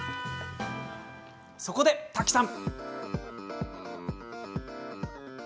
そこで、瀧さん。